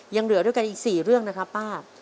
ยังเหลือด้วยกันอีก๔เรื่องนะครับป้า